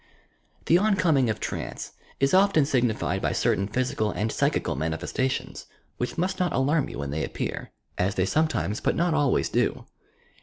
The oncoming of trance is often signified by certain physical and psychical manifestations, which must not alarm you when they appear. — as they sometimes but not always do.